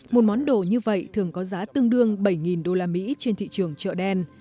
một món đồ như vậy thường có giá tương đương bảy đô la mỹ trên thị trường chợ đen